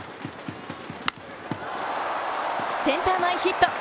センター前ヒット。